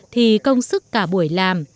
thì công sức cả buổi làm